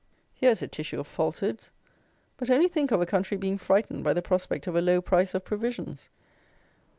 Here is a tissue of falsehoods! But only think of a country being "frightened" by the prospect of a low price of provisions!